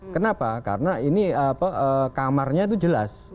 kenapa karena ini kamarnya itu jelas